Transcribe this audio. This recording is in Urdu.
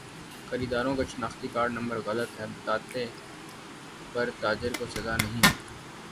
خریداروں کا شناختی کارڈ نمبر غلط بتانے پر تاجر کو سزا نہیں ہوگی